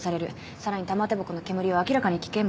さらに玉手箱の煙は明らかに危険物。